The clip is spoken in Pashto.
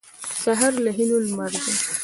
سهار د هیلو لمر دی.